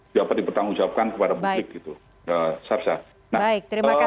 dapat dipertanggungjawabkan kepada publik